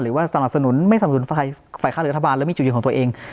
หรือว่าสนับสนุนไม่สนับสนุนฝ่ายค้ารัฐบาลแล้วมีจุดยืนของตัวเอง